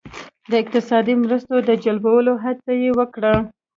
د اقتصادي مرستو د جلبولو هڅه یې وکړه.